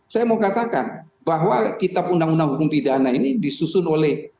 saya mau katakan bahwa kitab undang undang hukum pidana ini disusun oleh